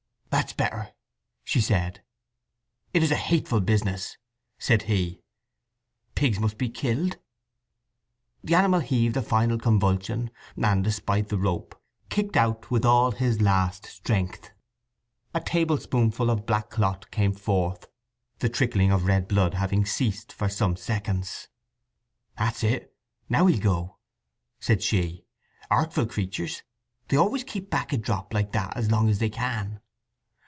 "That's better," she said. "It is a hateful business!" said he. "Pigs must be killed." The animal heaved in a final convulsion, and, despite the rope, kicked out with all his last strength. A tablespoonful of black clot came forth, the trickling of red blood having ceased for some seconds. "That's it; now he'll go," said she. "Artful creatures—they always keep back a drop like that as long as they can!"